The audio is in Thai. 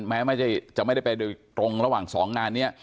แม้จะไม่ได้ไปโดยตรงระหว่างสองงานนี้